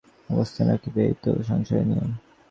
স্ত্রীকে মানুষ নিজের খুশিমতো অবস্থায় রাখিবে এই তো সংসারের নিয়ম।